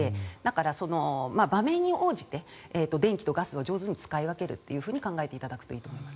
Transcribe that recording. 場面に応じて電気とガスを上手に使い分けると考えていただくといいと思います。